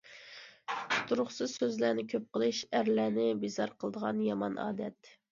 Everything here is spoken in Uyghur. تۇتۇرۇقسىز سۆزلەرنى كۆپ قىلىش ئەرلەرنى بىزار قىلىدىغان يامان ئادەت.